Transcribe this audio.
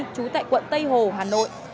trú tại quận tây hồ hà nội